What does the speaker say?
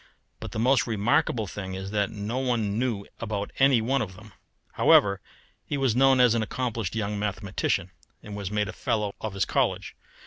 But the most remarkable thing is that no one knew about any one of them. However, he was known as an accomplished young mathematician, and was made a fellow of his college.